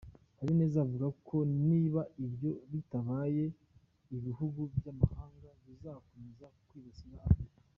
Habineza avuga ko niba ibyo bitabaye ibihugu by’amahanga bizakomeza kwibasira Afurika.